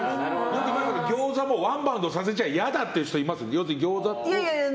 ギョーザもワンバウンドさせちゃ嫌だっていう人いますよね。